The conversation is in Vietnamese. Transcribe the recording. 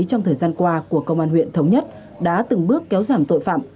trong thời gian qua của công an huyện thống nhất đã từng bước kéo giảm tội phạm